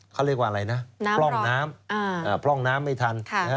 เขาเรียกว่าอะไรนะพร่องน้ำพร่องน้ำไม่ทัน